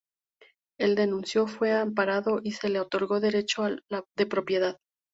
El denuncio fue amparado y se le otorgó derecho de propiedad.